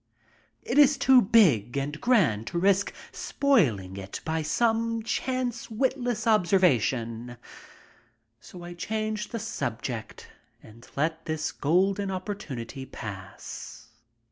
It is too big and grand to risk spoiling it by some chance wit less observation, so I change the subject and let this golden opportunity pass.